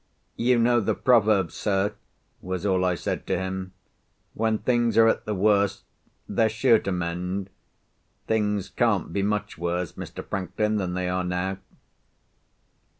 "You know the proverb, sir," was all I said to him. "When things are at the worst, they're sure to mend. Things can't be much worse, Mr. Franklin, than they are now."